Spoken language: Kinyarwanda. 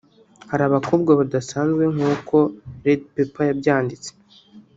hari abakobwa badasanzwe nkuko redpepper yabyanditse